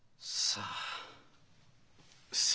さあ？